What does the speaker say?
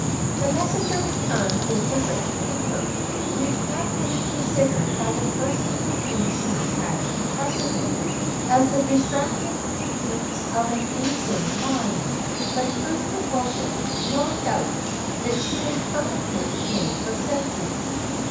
The messenger returned with the written paper, which had been considered by the persons to whom she had intrusted it, as the distracted dictates of an insane mind; but proved to William, beyond a doubt, that she was perfectly in her senses.